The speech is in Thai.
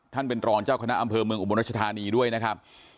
ท่านเป็นรองเจ้าคณะอำเภอเมืองอุบลรัชธานีด้วยนะครับ